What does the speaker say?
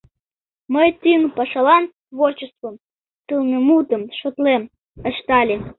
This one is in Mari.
— Мый тӱҥ пашалан творчествым, сылнымутым, шотлем, — ыштале.